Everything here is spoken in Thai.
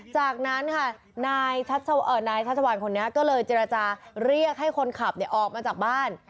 จากนั้นค่ะนายชัชวานคนนี้ก็เลยเจรจาเรียกให้คนขับออกมาจากบ้าน